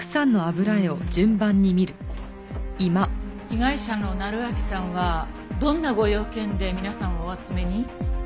被害者の成章さんはどんなご用件で皆さんをお集めに？